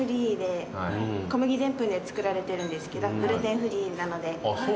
小麦でんぷんで作られてるんですけどグルテンフリーなので体にいいですね。